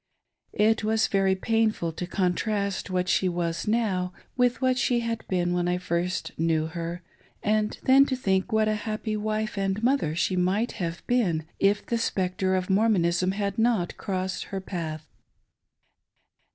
It was verj painful to contrast what she now was with what she had been when I first knew her, and then to think what a happy wife and mother she might have been if the spectre of Mormonism had not crossed her path.